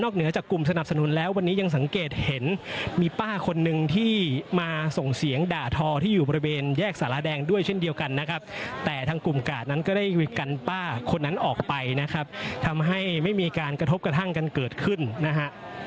เหนือจากกลุ่มสนับสนุนแล้ววันนี้ยังสังเกตเห็นมีป้าคนนึงที่มาส่งเสียงด่าทอที่อยู่บริเวณแยกสารแดงด้วยเช่นเดียวกันนะครับแต่ทางกลุ่มกาดนั้นก็ได้กันป้าคนนั้นออกไปนะครับทำให้ไม่มีการกระทบกระทั่งกันเกิดขึ้นนะฮะ